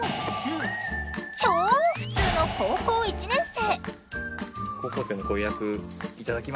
超普通の高校１年生。